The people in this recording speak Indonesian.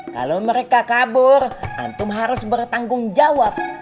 kalau mereka kabur antum harus bertanggung jawab